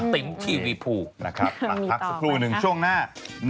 ติ๊มทีวีพูนะคะตั่งพักช่องหน้ามีต้อง